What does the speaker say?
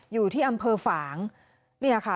อยู่ที่อำเภอฝางค่ะ